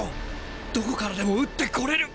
どこからでも打ってこれる。